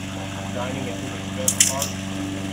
Dining at his expense, Bart?